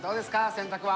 洗濯は。